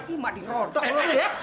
ii mah dirodok lu